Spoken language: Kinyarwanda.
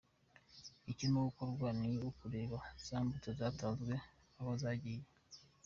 Ikirimo gukorwa ni ukureba za mbuto zatanzwe aho zagiye.